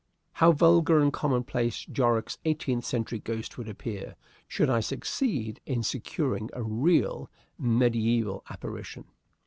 How vulgar and commonplace Jorrocks' eighteenth century ghost would appear should I succeed in securing a real mediæval apparition!